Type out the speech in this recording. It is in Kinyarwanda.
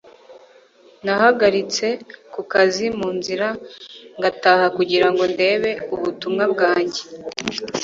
Nahagaritse ku kazi mu nzira ngataha kugira ngo ndebe ubutumwa bwanjye